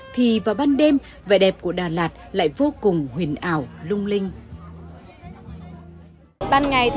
thì vào ban đêm vẻ đẹp của đà lạt lại vô cùng huyền ảo lung linh